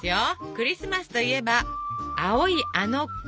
「クリスマスといえば青いあの子」。